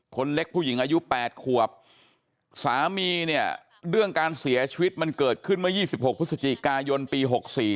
คนเล็กผู้หญิงอายุ๘ขวบสามีเนี่ยเรื่องการเสียชีวิตมันเกิดขึ้นเมื่อ๒๖พฤศจิกายนปี๖๔